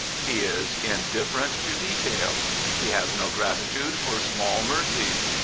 He is indifferent to detail. He has no gratitude for small mercies.